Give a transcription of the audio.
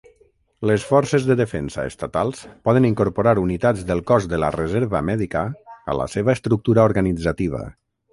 Les forces de defensa estatals poden incorporar unitats del Cos de la Reserva Mèdica a la seva estructura organitzativa.